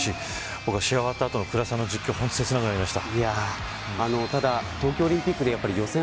僕は試合が終わった後の倉田さんの実況切なくなりました。